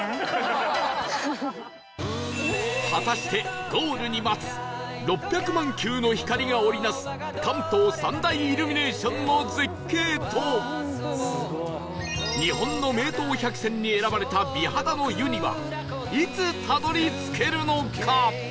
果たしてゴールに待つ６００万球の光が織り成す関東三大イルミネーションの絶景と日本の名湯百選に選ばれた美肌の湯にはいつたどり着けるのか？